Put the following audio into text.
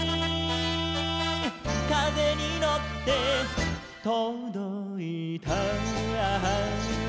「かぜにのってとどいた」